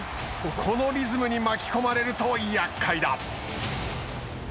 このリズムに巻き込まれるとやっかいだ。